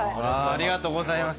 ありがとうございます。